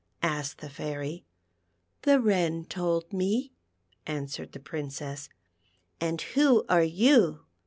asked the Fairy. " The Wren told me," answered the Princess. " And who are you